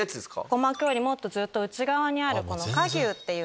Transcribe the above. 鼓膜よりずっと内側にある。